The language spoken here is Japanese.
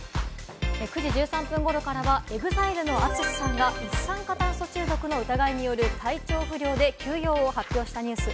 ９時１３分頃からはＥＸＩＬＥのＡＴＳＵＳＨＩさんが一酸化炭素中毒の疑いによる体調不良で休養を発表したニュース。